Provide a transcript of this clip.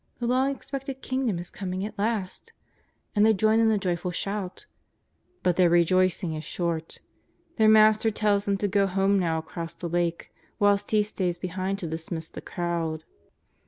The long expected Kingdom is coming at last ! And they join in the joyful shout. But their rejoicing is short. Their Mas ter tells them to go home now across the Lake whilst He ritays behind to dismiss the crowd.